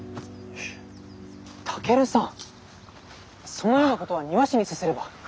そのようなことは庭師にさせれば。